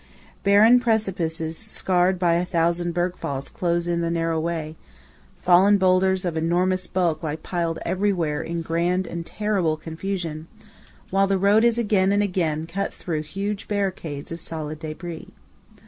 Barren precipices scarred by a thousand bergfalls close in the narrow way; fallen boulders of enormous bulk lie piled everywhere in grand and terrible confusion; while the road is again and again cut through huge barricades of solid débris.